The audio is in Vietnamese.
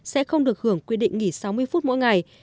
sẽ không được hưởng quy định nghỉ sáu mươi phút mỗi ngày